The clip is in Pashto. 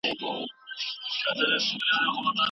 د علم په رڼا کي د انسان ژوند بدليږي.